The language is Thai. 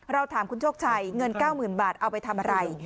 ถามคุณโชคชัยเงิน๙๐๐๐บาทเอาไปทำอะไร